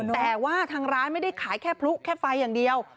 แต่ว่าทางร้านไม่ได้ขายแค่พลุแค่ไฟอย่างเดียว